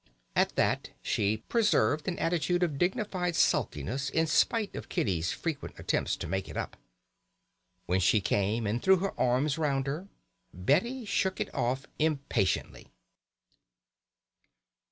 All that day she preserved an attitude of dignified sulkiness in spite of Kitty's frequent attempts to make it up. When she came and threw her arm round her, Betty shook it off impatiently.